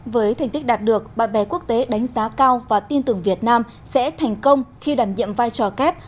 với thành tích đạt được bạn bè quốc tế đánh giá cao và tin tưởng việt nam sẽ thành công khi đảm nhiệm vai trò kép